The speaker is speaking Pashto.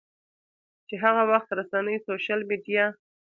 چې هغه وخت رسنۍ، سوشل میډیا